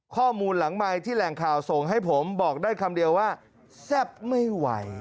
ข้อมูลหลังใหม่ที่แหล่งข่าวส่งให้ผมบอกได้คำเดียวว่าแซ่บไม่ไหว